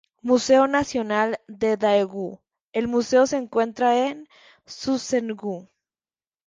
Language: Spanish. Museo Nacional de Daegu el museo se encuentra en Suseong-gu.